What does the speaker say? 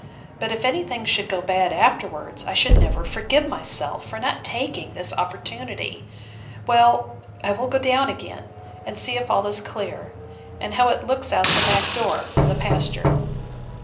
But if any thing should go bad afterwards, I should never forgive myself, for not taking this opportunity. Well, I will go down again, and see if all is clear, and how it looks out at the back door in the pasture.